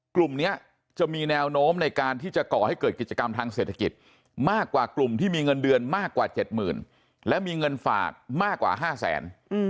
กลุ่มนี้จะมีแนวโน้มในการที่จะก่อให้เกิดกิจกรรมทางเศรษฐกิจมากกว่ากลุ่มที่มีเงินเดือนมากกว่า๗๐๐และมีเงินฝากมากกว่า๕แสน